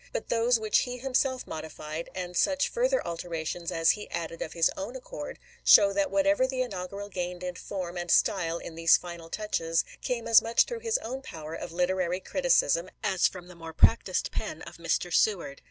But those which he himself modified, and such further alterations as he added of his own accord, show that whatever the inaugural gained in form and style in these final touches came as much through his own power of literary criticism as from the more practiced pen of Mr. Seward.